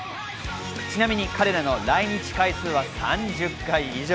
ちなみに彼らの来日回数は３０回以上。